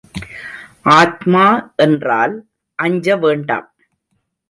ஆத்மா என்றால் அஞ்சவேண்டாம்.